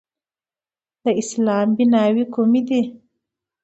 د اسلام بیناوې کومې دي؟